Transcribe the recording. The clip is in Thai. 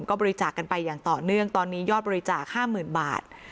ก็บริจาคกันไปอย่างต่อเนื่องตอนนี้ยอดบริจาค๕๐๐๐บาท